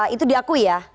itu diakui ya